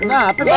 kenapa pak dio